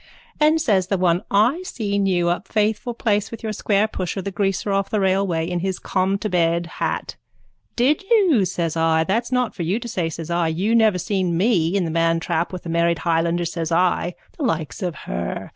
_ And says the one: I seen you up Faithful place with your squarepusher, the greaser off the railway, in his cometobed hat. Did you, says I. That's not for you to say, says I. You never seen me in the mantrap with a married highlander, says I. The likes of her!